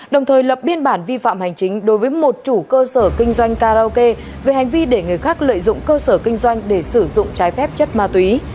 đồng thời lập biên bản vi phạm hành chính đối với một chủ cơ sở kinh doanh karaoke về hành vi để người khác lợi dụng cơ sở kinh doanh để sử dụng trái phép chất ma túy